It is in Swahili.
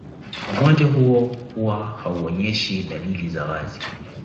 Ugonjwa huo huwa hauonyeshi dalili za wazi